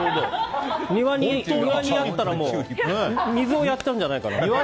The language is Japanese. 庭にあったらもう水をやったんじゃないかという。